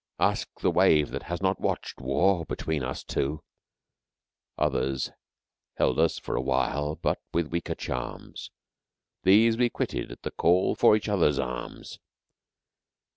Ask the wave that has not watched war between us two. Others held us for a while, but with weaker charms, These we quitted at the call for each other's arms.